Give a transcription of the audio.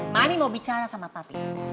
mami mau bicara sama papi